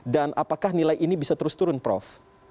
dan apakah nilai ini bisa terus turun prof